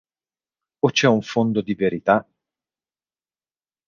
O c’è un fondo di verità?